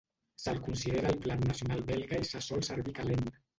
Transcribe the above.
Se'l considera el plat nacional belga i se sol servir calent.